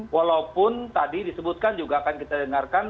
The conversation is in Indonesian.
walaupun tadi disebutkan juga akan kita dengarkan